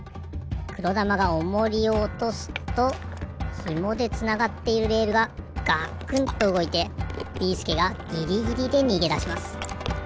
くろだまがオモリをおとすとひもでつながっているレールがガクンとうごいてビーすけがギリギリでにげだします。